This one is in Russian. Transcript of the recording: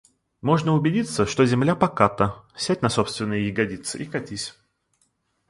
Можно убедиться, что земля поката, — сядь на собственные ягодицы и катись!